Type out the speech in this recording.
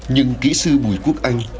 nhưng kỹ sư bùi quốc anh